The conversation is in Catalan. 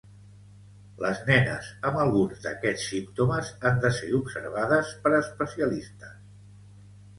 Les nenes amb alguns d'aquests símptomes han de ser observades per especialistes.